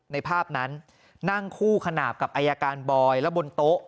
ในภาพนั้นนั่งคู่ขนาบกับอายการบอยและบนโต๊ะ